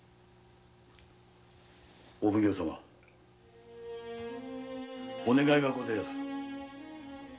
お奉行様お願いがございます。